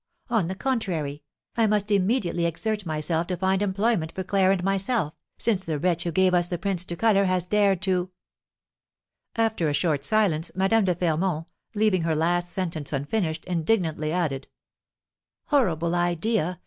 On the contrary, I must immediately exert myself to find employment for Claire and myself, since the wretch who gave us the prints to colour has dared to " After a short silence, Madame de Fermont, leaving her last sentence unfinished, indignantly added: "Horrible idea!